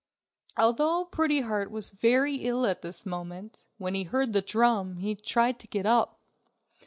Although Pretty Heart was very ill at this moment, when he heard the drum, he tried to get up.